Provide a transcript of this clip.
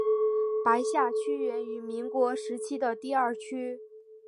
白下区源于民国时期的第二区。